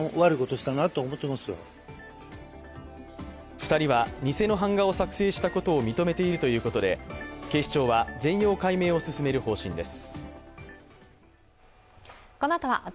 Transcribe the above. ２人は偽の版画を作成したことを認めているということで警視庁は全容解明を進める方針です。